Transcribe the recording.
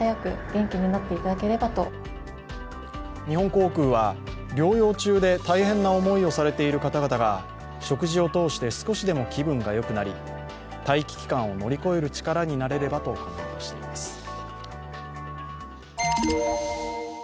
日本航空は、療養中で大変な思いをされている方々が食事を通して少しでも気分がよくなり待機期間を乗り越える力になれればとコメントしています。